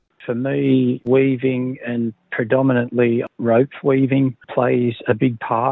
untuk saya weaving dan terutama weaving kerangkai